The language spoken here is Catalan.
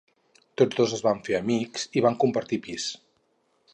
Tots dos es van fer amics i van compartir pis.